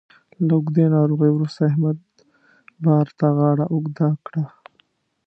له اوږدې ناروغۍ وروسته احمد بار ته غاړه اوږده کړه